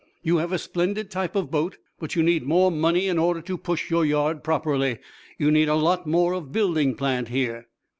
You have a splendid type of boat, but you need more money in order to push your yard properly. You need a lot more of building plant here."